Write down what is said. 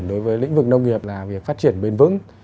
phát triển đối với lĩnh vực nông nghiệp là việc phát triển bền vững